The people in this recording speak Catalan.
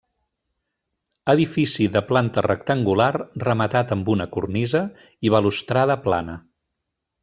Edifici de planta rectangular rematat amb una cornisa i balustrada plana.